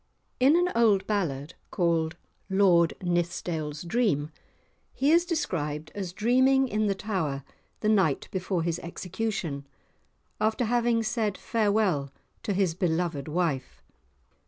In an old ballad called "Lord Nithsdale's Dream," he is described as dreaming in the Tower the night before his execution, after having said farewell to his beloved wife.